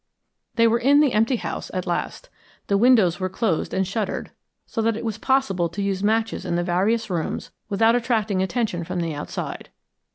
They were in the empty house at last. The windows were closed and shuttered, so that it was possible to use matches in the various rooms without attracting attention from the outside.